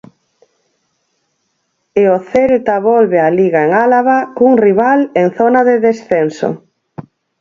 E o Celta volve á Liga en Álava cun rival en zona de descenso.